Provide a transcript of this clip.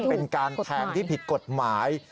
เป็นการแทงที่ผิดกฎหมาย